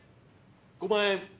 ５万円！